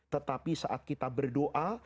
tetapi saat kita berdoa